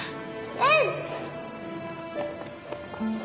うん。